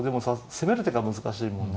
攻める手が難しいもんね。